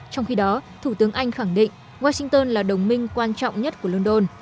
trong khi đó thủ tướng anh khẳng định washington là đồng minh quan trọng nhất của london